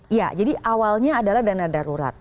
iya jadi awalnya adalah dana darurat